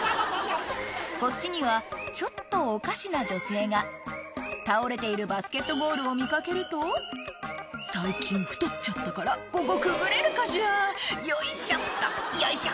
こっちにはちょっとおかしな女性が倒れているバスケットゴールを見かけると「最近太っちゃったからここくぐれるかしら？」「よいしょっとよいしょ」